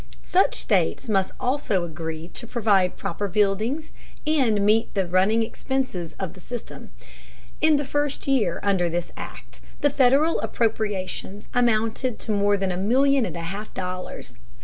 Such states must also agree to provide proper buildings and meet the running expenses of the system. In the first year under this Act, the Federal appropriations amounted to more than a million and a half dollars.